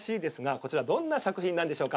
こちらどんな作品でしょうか？